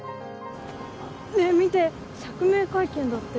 ねえ見て釈明会見だって。